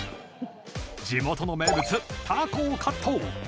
地元の名物タコをカット！